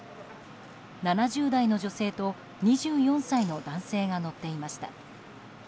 ７０代の女性と２４歳の男性が乗っていました。